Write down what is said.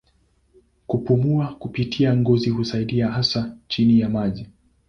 Kupumua kupitia ngozi husaidia hasa chini ya maji.